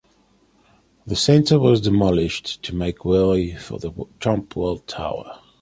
The Center was demolished to make way for the Trump World Tower.